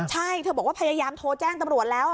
ใช่เธอบอกว่าพยายามโทรแจ้งตำรวจแล้ว